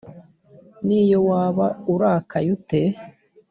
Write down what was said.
niyo waba urakaye ute